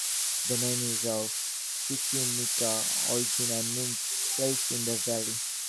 The name is of Chichimeca origin and means "place in the valley".